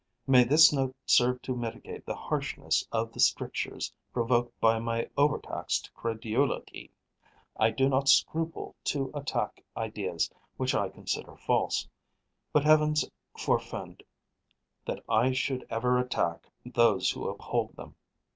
May this note serve to mitigate the harshness of the strictures provoked by my overtaxed credulity! I do not scruple to attack ideas which I consider false; but Heaven forfend that I should ever attack those who uphold them!